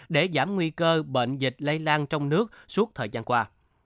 để giảm nguy cơ bệnh dịch lây lan trong nước suốt thời gian qua